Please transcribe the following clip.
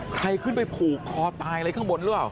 ใครขึ้นไปผูกคอตายอะไรข้างบนหรือเปล่า